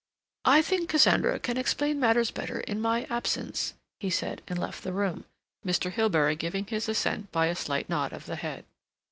"I think Cassandra can explain matters better in my absence," he said, and left the room, Mr. Hilbery giving his assent by a slight nod of the head.